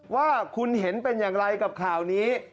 ว่าคุณเห็นเป็นอย่างไรกับข่าวนี้